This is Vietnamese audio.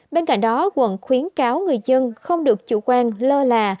bên cạnh đó quận khuyến cáo người dân không được chủ quan lơ là